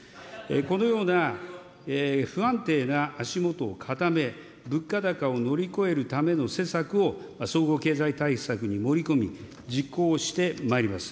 このような不安定な足下を固め、物価高を乗り越えるための施策を総合経済対策に盛り込み、実行をしてまいります。